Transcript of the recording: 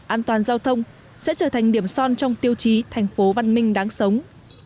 an toàn giao thông sẽ trở thành điểm son trong tiêu chí thành phố văn minh đáng sống